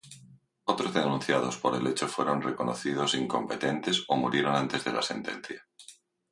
Otros denunciados por el hecho fueron reconocidos incompetentes o murieron antes de la sentencia.